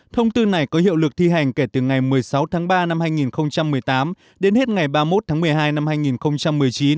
thông tư này có hiệu lực thi hành kể từ ngày một mươi sáu tháng ba năm hai nghìn một mươi tám đến hết ngày ba mươi một tháng một mươi hai năm hai nghìn một mươi chín